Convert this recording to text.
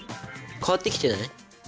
変わってきてない？